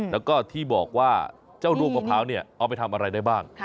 แล้วก็ที่บอกว่าเจ้าด้วงมะพร้าวเนี่ยเอาไปทำอะไรได้บ้าง